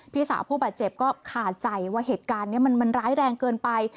พี่สาวผู้บาดเจ็บก็ขาดใจว่าเหตุการณ์นี้มันร้ายแรงเกินไป